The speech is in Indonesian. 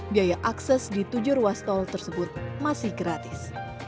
biaya akses di tujuh ruas tol tersebut masih gratis